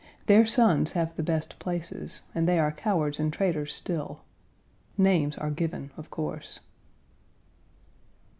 Their sons have the best places, and they are cowards and traitors still. Names are given, of course.